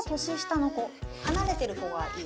離れてる子がいい。